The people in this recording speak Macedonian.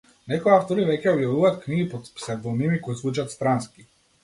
Некои автори веќе објавуваат книги под псевдоними кои звучат странски.